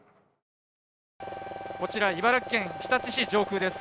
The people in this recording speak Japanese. こちら茨城県日立市上空です。